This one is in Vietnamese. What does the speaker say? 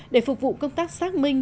để phục vụ công tác xác minh